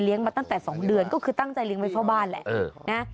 มาตั้งแต่๒เดือนก็คือตั้งใจเลี้ยงไว้เฝ้าบ้านแหละนะ